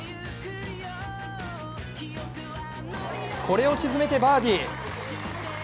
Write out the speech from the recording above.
これを沈めてバーディー。